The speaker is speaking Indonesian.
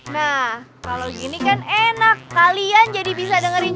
nah kalau gini kan enak kalian jadi bisa dengerin